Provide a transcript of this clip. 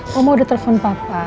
mama udah telepon papa